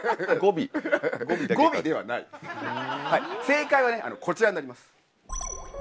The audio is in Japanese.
正解はねこちらになります。